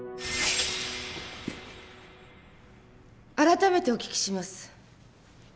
改めてお聞きします。